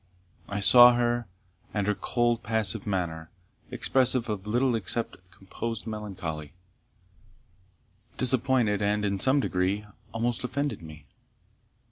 I saw her; and her cold passive manner, expressive of little except composed melancholy, disappointed, and, in some degree, almost offended me.